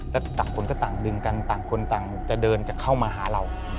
แล้วต่างคนก็ต่างดึงกันต่างคนต่างจะเดินจะเข้ามาหาเรา